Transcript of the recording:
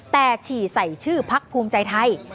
แต่ฉี่ใส่ชื่อพักภูมิใจไทย